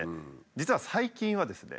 実は最近はですね